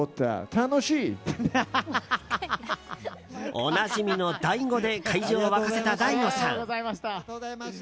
おなじみのＤＡＩ語で会場を沸かせたＤＡＩＧＯさん。